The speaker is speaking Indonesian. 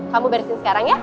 kamu beresin sekarang ya